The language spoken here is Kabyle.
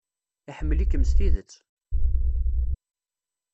Iḥemmel-ikem s tidet.